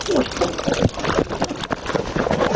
ครูกัดสบัติคร้าว